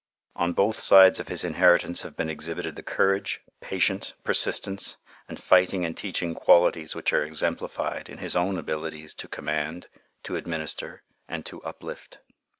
On both sides of his inheritance have been exhibited the courage, patience, persistence, and fighting and teaching qualities which are exemplified in his own abilities to command, to administer, and to uplift.